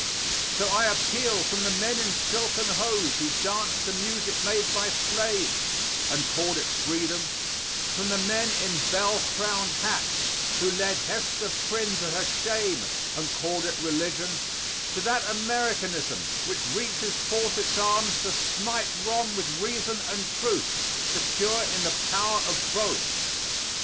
So I appeal from the men in silken hose who danced to music made by slaves and called it freedom from the men in bell crowned hats, who led Hester Prynne to her shame and called it religion to that Americanism which reaches forth its arms to smite wrong with reason and truth, secure in the power of both.